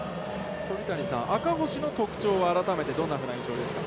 鳥谷さん、赤星の特徴は改めて、どんなふうな印象ですか。